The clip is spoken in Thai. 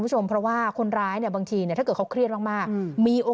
เจ้าหน้าที่ตำรวจเนี่ย